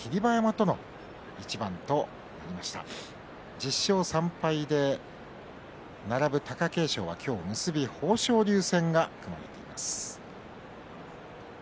１０勝３敗で並ぶ貴景勝は今日結び、豊昇龍戦が組まれています。